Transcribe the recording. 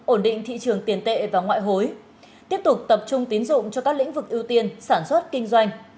ổn định thị trường tiền tệ và ngoại hối tiếp tục tập trung tín dụng cho các lĩnh vực ưu tiên sản xuất kinh doanh